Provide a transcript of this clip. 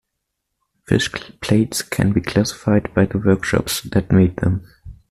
Fish plates can be classified by the workshops that made them.